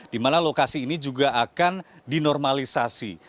dimana lokasi ini juga akan dinormalisasi